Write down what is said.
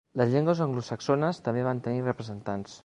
Les llengües anglosaxones també van tenir representants.